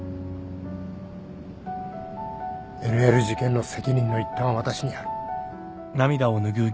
ＬＬ事件の責任の一端は私にある。